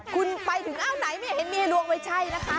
คุณไปถึงอ้าวไหนไม่เห็นมีลวงไม่ใช่นะคะ